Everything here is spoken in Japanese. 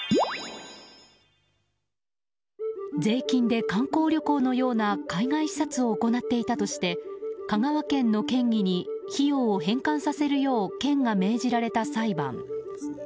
税金で観光旅行のような海外視察を行っていたとして香川県の県議に費用を返還させるよう県が命じられた裁判。